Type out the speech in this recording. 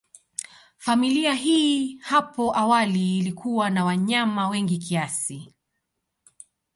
Familia hii hapo awali ilikuwa na wanyama wengi kiasi.